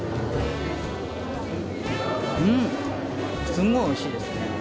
すごいおいしいです。